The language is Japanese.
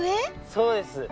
そうです。